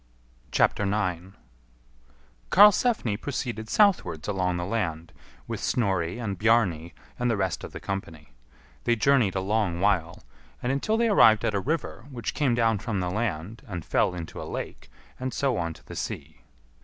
9. Karlsefni proceeded southwards along the land, with Snorri and Bjarni and the rest of the company. They journeyed a long while, and until they arrived at a river, which came down from the land and fell into a lake, and so on to the sea.